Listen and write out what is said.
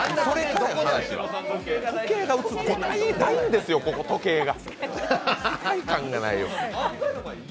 時計が写ってる、ないんですよ、ここ、時計が。